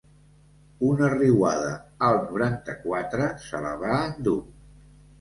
Una riuada al noranta-quatre se la va endur.